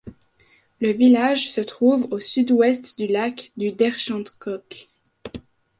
Le village se trouve au sud-ouest du lac du Der-Chantecoq.